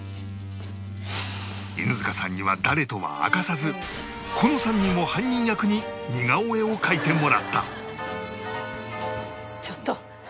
犬塚さんには誰とは明かさずこの３人を犯人役に似顔絵を描いてもらった